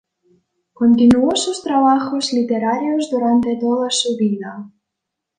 Continuó sus trabajos literarios durante toda su vida.